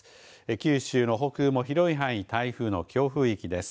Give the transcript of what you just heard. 九州の北部も広い範囲台風の強風域です。